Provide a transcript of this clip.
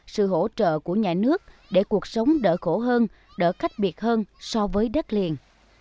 sự hỗ trợ của nhà nước để cuộc sống đỡ khổ hơn đỡ cách biệt hơn so với đất liền